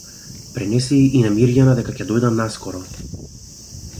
Пренеси и на Мирјана дека ќе дојдам наскоро.